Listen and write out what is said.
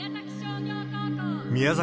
宮崎